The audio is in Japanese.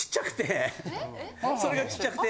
それがちっちゃくて。